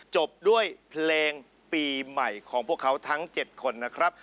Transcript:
จบด้วยเพลงปีใหม่ของพวกเขาทั้ง๗คนนะครับ